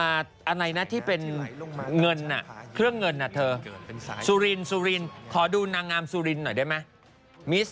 อันไหนนะที่เป็นเงินเครื่องเงินนะเธอสุรินขอดูนางงามสุรินหน่อยได้ไหม